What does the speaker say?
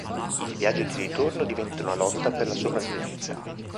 Il viaggio di ritorno diventa una lotta per la sopravvivenza.